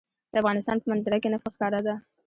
د افغانستان په منظره کې نفت ښکاره ده.